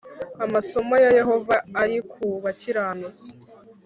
Amaso ya Yehova ari ku bakiranutsi